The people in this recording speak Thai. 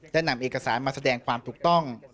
นำเอกสารมาแสดงความถูกต้อง